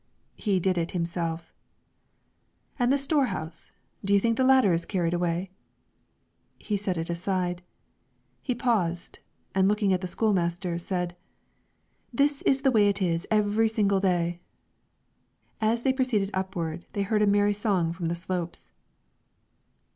He did it himself. "And the store house; do you think the ladder is carried away?" He set it aside. He paused, and looking at the school master, said, "This is the way it is every single day." As they proceeded upward they heard a merry song from the slopes.